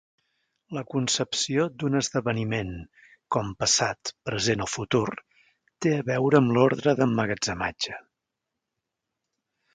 La concepció d'un esdeveniment com passat, present o futur té a veure amb l'ordre d'emmagatzematge.